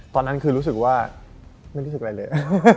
ตอนนั้นคือรู้สึกว่าไม่รู้สึกอะไรเลย